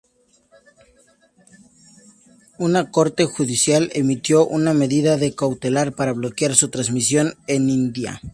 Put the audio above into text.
Una Corte Judicial emitió una medida cautelar para bloquear su transmisión en India.